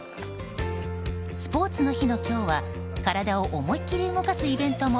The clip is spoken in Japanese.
スポーツの日の今日は体を思い切り動かすイベントも